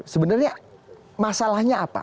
sebenarnya masalahnya apa